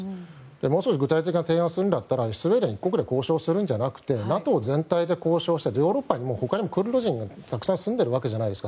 もう少し具体的な提案をするんだったらスウェーデン１国で交渉するんじゃなくてＮＡＴＯ全体で交渉してヨーロッパにも他にクルド人が住んでいるわけじゃないですか。